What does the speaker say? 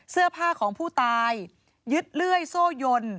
เสื้อผ้าของผู้ตายยึดเลื่อยโซ่ยน